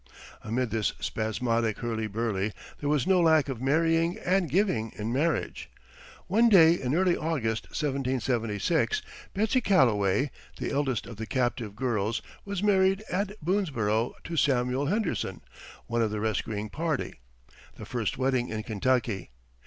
Amid this spasmodic hurly burly there was no lack of marrying and giving in marriage. One day in early August, 1776, Betsey Calloway, the eldest of the captive girls, was married at Boonesborough to Samuel Henderson, one of the rescuing party the first wedding in Kentucky.